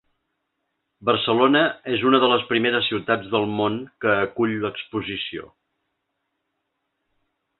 Barcelona és una de les primeres ciutats del món que acull l’exposició.